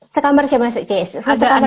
sekamar sama cez